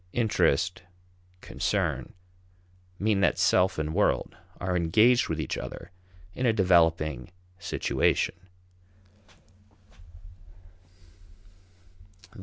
Interest, concern, mean that self and world are engaged with each other in a developing situation.